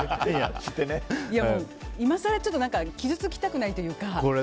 今更ちょっと傷つきたくないというか。